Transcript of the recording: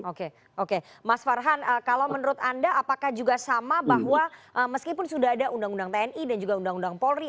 oke oke mas farhan kalau menurut anda apakah juga sama bahwa meskipun sudah ada undang undang tni dan juga undang undang polri